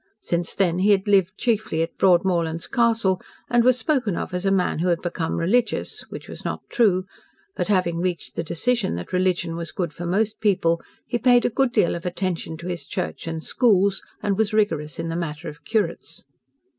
Since then he had lived chiefly at Broadmorlands Castle, and was spoken of as a man who had become religious, which was not true, but, having reached the decision that religion was good for most people, he paid a good deal of attention to his church and schools, and was rigorous in the matter of curates.